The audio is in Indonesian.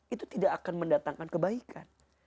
itu tidak akan mendatangkan kebaikan